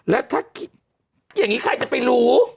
แล้วถ้าคิดอย่างนี้ใครจะไปรู้